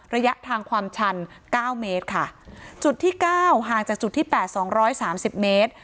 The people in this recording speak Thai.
ระยะทางความชัน๙เมตรค่ะจุดที่๙ห่างจากจุดที่๘๒๓๐เมตร